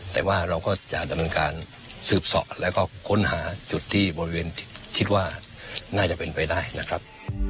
แต่ว่าเราก็จะดำเนินการสืบสอดแล้วก็ค้นหาจุดที่บริเวณคิดว่าน่าจะเป็นไปได้นะครับ